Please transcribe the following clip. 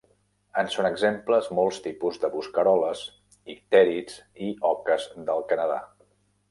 En són exemples molts tipus de bosqueroles, ictèrids i oques del Canadà.